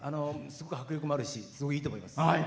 迫力はあるしすごいいいと思います。